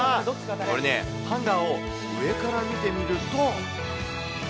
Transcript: これね、ハンガーを上から見てみると。